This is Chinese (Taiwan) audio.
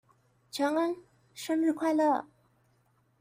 承恩生日快樂！